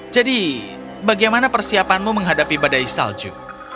jadi bagaimana persiapanmu menghadapi badai salju